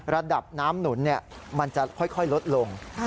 ระดับน้ำหนุนมันจะค่อยลดลง